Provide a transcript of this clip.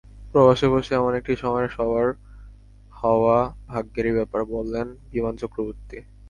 প্রবাসে বসে এমন একটি সময়ের সওয়ার হওয়া ভাগ্যেরই ব্যাপার, বললেন বিমান চক্রবর্তী।